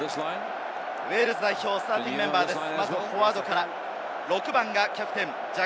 ウェールズ代表のスターティングメンバーです。